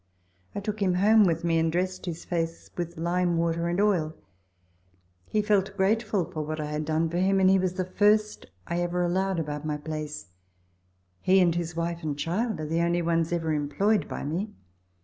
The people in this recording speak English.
I took him home with me, and dressed his face with lime water and oil ; he felt grateful for what I had done for him, and he was the first I ever allowed about my place, and he and his wife and child are the only ones ever employed by me.